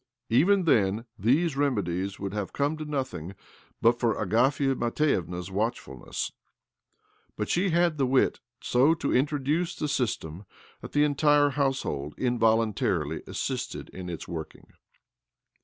Even then these remedies would have come to nothing but for Agafia Matvievna's watchfulness ; but she had the wit so to introduce the system 282 OBLOMOV that the entire household involuntarily ; sisted in its working.